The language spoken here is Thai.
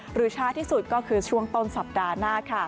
ช้าที่สุดก็คือช่วงต้นสัปดาห์หน้า